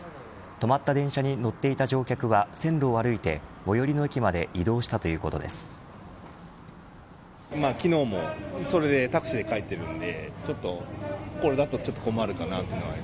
止まっていた電車に乗っていた乗客は線路を歩いて最寄りの駅までこのおいしさで